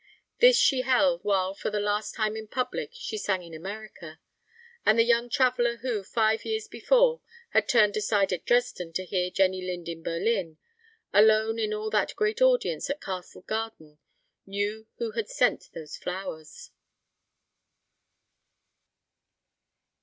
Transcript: This she held while for the last time in public she sang in America; and the young traveller who, five years before, had turned aside at Dresden to hear Jenny Lind in Berlin, alone in all that great audience at Castle Garden knew who had sent those flowers.